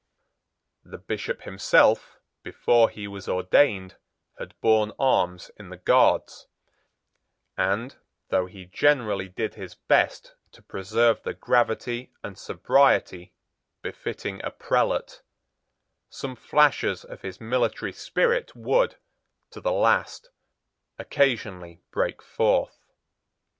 The Bishop himself, before he was ordained, had borne arms in the Guards; and, though he generally did his best to preserve the gravity and sobriety befitting a prelate, some flashes of his military spirit would, to the last, occasionally break forth.